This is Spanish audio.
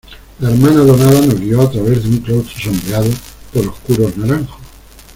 la hermana donada nos guió a través de un claustro sombreado por oscuros naranjos.